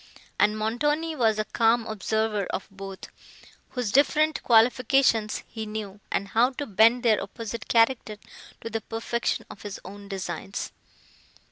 And Montoni was a calm observer of both, whose different qualifications he knew, and how to bend their opposite character to the perfection of his own designs.